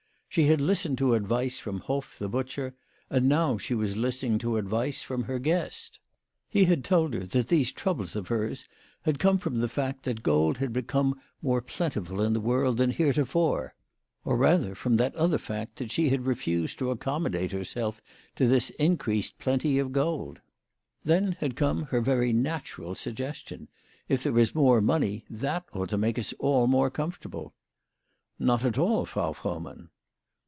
She had listened to advice from Hoff the butcher, and now she was listening to advice from her guest. He had told hei; that these troubles of hers had come from the fact that gold had become more 80 WHY PRATT FROHMANN RAISED HER PRICES. plentiful in the world than heretofore, or rather from that other fact that she had refused to accommodate herself to this increased plenty of gold. Then had come her very natural suggestion, " If there is more money that ought to make us all more comfortable." " Not at all, Frau Frohmann."